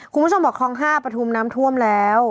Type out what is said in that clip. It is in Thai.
คุณผู้ชมบอกคลอง๕ปฐุมน้ำท่วมแล้ว